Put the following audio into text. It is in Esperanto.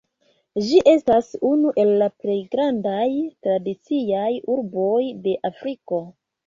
Ĝi estas unu el la plej grandaj tradiciaj urboj de Afriko.